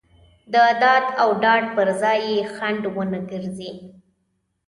د داد او ډاډ پر ځای یې خنډ ونه ګرځي.